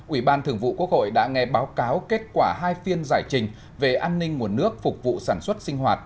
ủy ban thường vụ quốc hội đã nghe báo cáo kết quả hai phiên giải trình về an ninh nguồn nước phục vụ sản xuất sinh hoạt